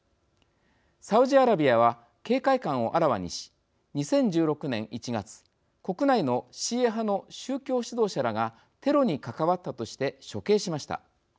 サウジアラビアは警戒感をあらわにし２０１６年１月国内のシーア派の宗教指導者らがテロに関わったとして処刑しました。